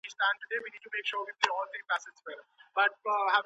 که ښوونکی وخاندي نو ټولګی خوشحاله کیږي.